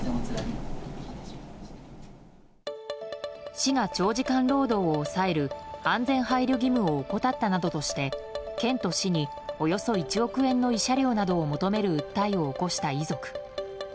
市が長時間労働を抑える安全配慮義務を怠ったなどとして県と市に、およそ１億円の慰謝料などを求める訴えを起こした遺族。